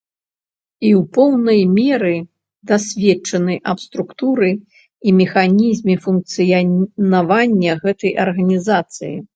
І ў поўнай меры дасведчаны аб структуры і механізме функцыянавання гэтай арганізацыі.